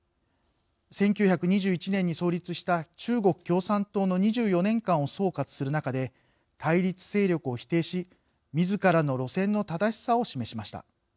１９２１年に創立した中国共産党の２４年間を総括する中で対立勢力を否定しみずからの路線の正しさを示しました。